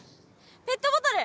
ペットボトル！